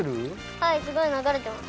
はいすごいながれてます。